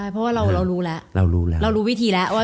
เพราะว่าเรารู้แล้วเรารู้วิธีแล้วว่าจะดีหรือเปล่า